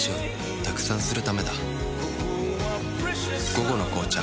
「午後の紅茶」